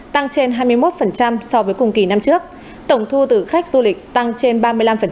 tăng trên hai mươi một so với cùng kỳ năm trước tổng thu tử khách du lịch tăng trên ba mươi năm